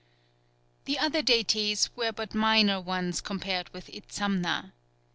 The other deities were but minor ones compared with Itzamna.